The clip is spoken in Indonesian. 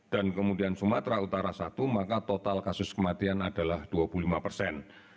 dan kemudian sumatera utara satu maka total kasus kematian adalah dua puluh lima persen